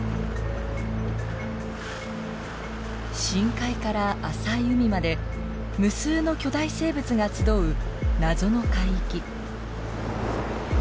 深海から浅い海まで無数の巨大生物が集う謎の海域。